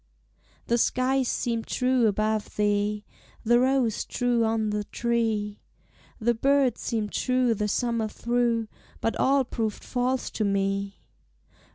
The skies seemed true above thee, The rose true on the tree; The bird seemed true the summer through, But all proved false to me.